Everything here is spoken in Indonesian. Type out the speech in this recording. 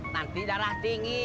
nanti darah tinggi